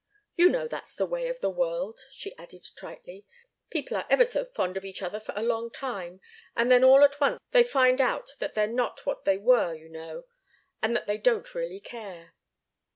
"You know that's the way of the world," she added, tritely. "People are ever so fond of each other for a long time, and then all at once they find out that they're not what they were, you know, and that they don't really care."